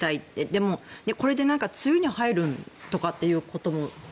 でも、これで梅雨に入るとかってことも。